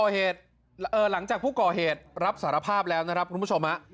หลังจากผู้ก่อเหตุรับสารภาพแล้วนะครับคุณผู้ชมฮะ